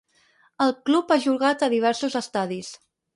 El club ha jugat a diversos estadis.